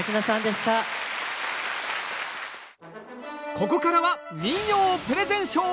ここからは「民謡プレゼンショー」！